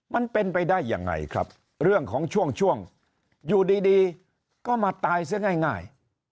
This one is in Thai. มันเป็นไปได้ยังไงครับเรื่องของช่วงช่วงอยู่ดีก็มาตายเสียง่าย